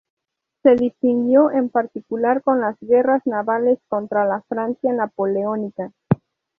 Se distinguió en particular con las guerras navales contra la Francia napoleónica.